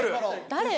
誰？